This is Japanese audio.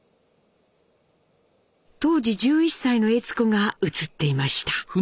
当時１１歳の悦子が映っていました。